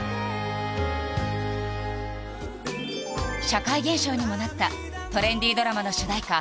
社会現象にもなったトレンディードラマの主題歌